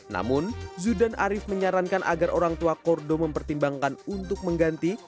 namun zudan arief menyarankan agar orang tua kordo mempertimbangkan untuk mengganti